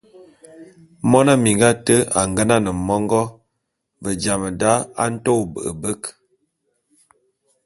Mone minga ate a ngenan mongô, ve jam da a nto ôbe’ebek.